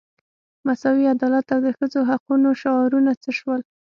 مساوي عدالت او د ښځو حقوقو شعارونه څه شول.